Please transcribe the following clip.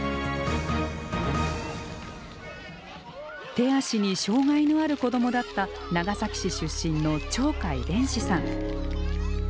手足に障害のある子供だった長崎市出身の鳥海連志さん。